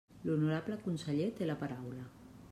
L'honorable conseller té la paraula.